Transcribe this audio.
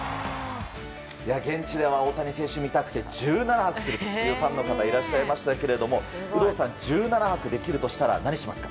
現地では大谷選手を見たくて１７泊するというファンの方がいらっしゃいましたが有働さん、１７泊できるとしたら何しますか？